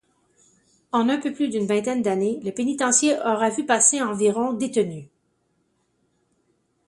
En un peu plus d'une vingtaine d'années, le pénitencier aura vu passer environ détenus.